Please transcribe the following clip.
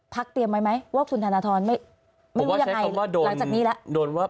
พรรคเตรียมไว้ไหมว่าคุณธนาธรไม่รู้ยังไงหลังจากนี้ละ